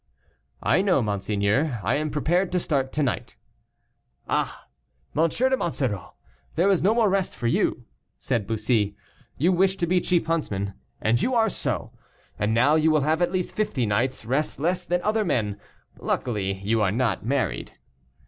"I know, monseigneur; I am prepared to start to night." "Ah, M. de Monsoreau, there is no more rest for you," said Bussy, "you wished to be chief huntsman, and you are so, and now you will have at least fifty nights' rest less than other men. Luckily you are not married."